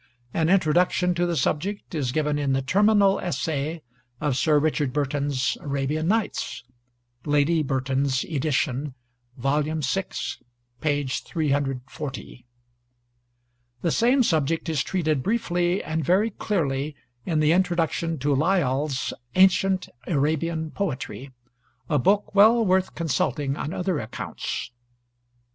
An introduction to the subject is given in the Terminal Essay of Sir Richard Burton's 'Arabian Nights' (Lady Burton's edition, Vol. vi., page 340). The same subject is treated briefly and very clearly in the introduction to Lyall's 'Ancient Arabian Poetry' a book well worth consulting on other accounts.